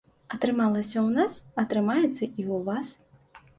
Атрымалася ў нас, атрымаецца і ў вас.